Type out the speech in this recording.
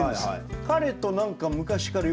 彼と何か昔からよく。